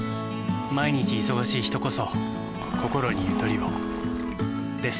毎日忙しい人こそこころにゆとりをです。